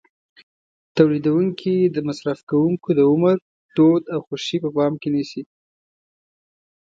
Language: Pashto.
تولیدوونکي د مصرف کوونکو د عمر، دود او خوښې په پام کې نیسي.